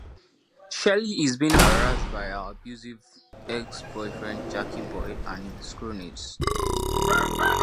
Shellie is being harassed by her abusive ex-boyfriend Jackie Boy and his cronies.